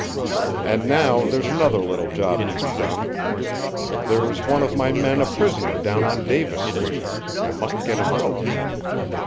"And now, there's another little job to be done. There's one of my men a prisoner down on Davis Street. I must get him out."